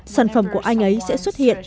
sản phẩm của anh ấy sẽ xuất hiện